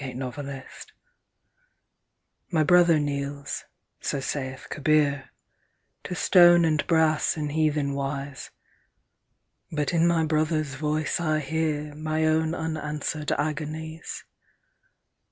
The Prayer MY brother kneels, so saith Kabir, To stone and brass in heathen wise, But in my brother's voice I hearMy own unanswered agonies.